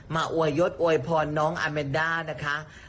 อวยยศอวยพรน้องอาเมนด้านะคะ